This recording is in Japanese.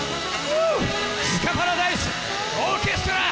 スカパラダイスオーケストラ！